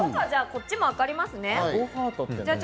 じゃあ、こっちもわかりますね。